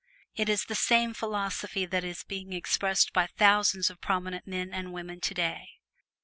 It is the same philosophy that is being expressed by thousands of prominent men and women today.